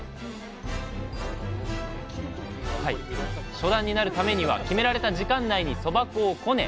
初段になるためには決められた時間内にそば粉をこねのばし切る。